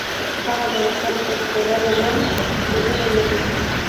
هغه د وطن په سپېره لمن ګلونه کري